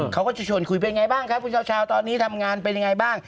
เขาก็จะชวนคุยเป็นไงบ้างครับคุณเช้าตอนนี้ทำงานเป็นยังไงบ้าง